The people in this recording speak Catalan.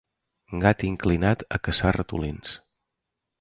Gat inclinat a caçar ratolins.